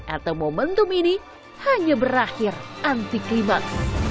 atau momentum ini hanya berakhir anti klimat